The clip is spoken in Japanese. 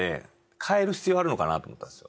変える必要はあるのかなって思ったんですよ。